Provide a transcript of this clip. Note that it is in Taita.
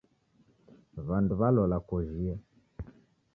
W'andu w'alola kojhia.